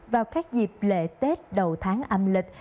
vào các dịp lễ tết đầu tháng âm lịch